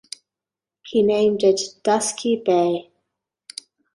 He named it Dusky Bay.